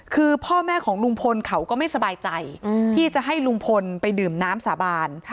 คือพ่อแม่ของลุงพลเขาก็ไม่สบายใจที่จะให้ลุงพลไปดื่มน้ำสาบาน